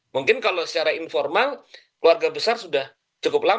mungkin kalau secara informal keluarga besar sudah cukup lama